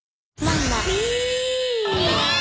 イエーイ！